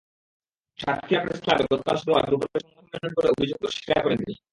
সাতক্ষীরা প্রেসক্লাবে গতকাল শুক্রবার দুপুরে সংবাদ সম্মেলন করে অভিযোগ অস্বীকার করেন তিনি।